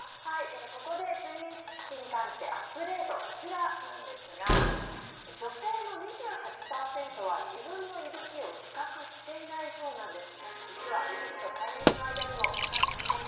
ここで睡眠知識に関してアップデートこちらなんですが女性の２８％は自分のいびきを自覚していないそうなんです。